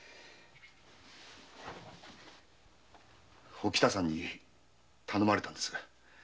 おきたさんに頼まれたんです。